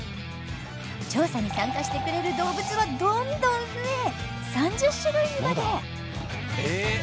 調査に参加してくれる動物はどんどん増え３０種類にまで！